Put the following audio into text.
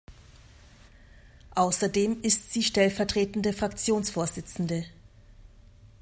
Außerdem ist sie stellvertretende Fraktionsvorsitzende.